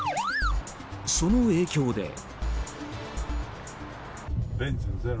その影響で。